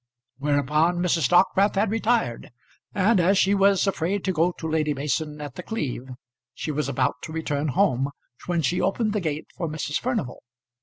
Whereupon Mrs. Dockwrath had retired, and as she was afraid to go to Lady Mason at The Cleeve, she was about to return home when she opened the gate for Mrs. Furnival.